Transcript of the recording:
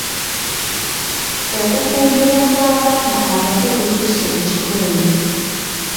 Okufumbirwa kw'abaana abato kususse mu kitundu.